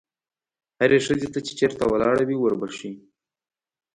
هرې ښځې ته چې چېرته ولاړه وي وربښې.